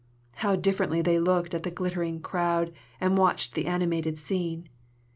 How differently they looked at the glittering crowd, and watched the animated scene!